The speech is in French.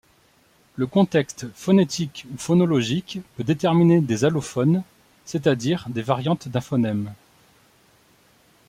Le contexte phonétique ou phonologique peut déterminer des allophones, c’est-à-dire des variantes d’un phonème.